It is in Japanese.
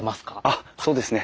あっそうですね